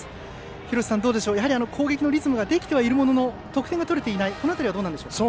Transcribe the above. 廣瀬さん、攻撃のリズムができてはいるものの得点が取れていない辺りはどうですか。